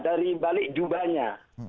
dari balik jubahnya